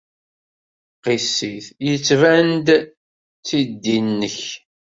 Qiss-it. Yettban-d d tiddi-nnek.